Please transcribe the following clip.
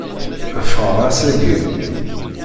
Fɣeɣ ass-agi.